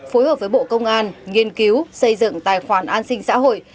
phối hợp với bộ công an nghiên cứu xây dựng tài khoản an sinh xã hội